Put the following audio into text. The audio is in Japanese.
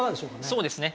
そうですね